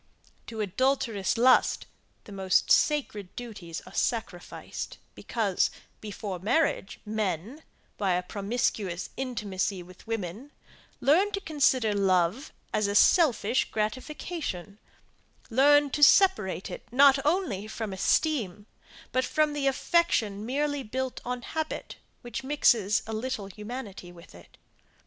To adulterous lust the most sacred duties are sacrificed, because, before marriage, men, by a promiscuous intimacy with women, learned to consider love as a selfish gratification learned to separate it not only from esteem, but from the affection merely built on habit, which mixes a little humanity with it.